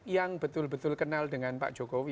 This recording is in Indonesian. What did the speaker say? yang betul betul kenal dengan pak jokowi